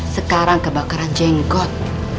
sekarang kebakaran jenggot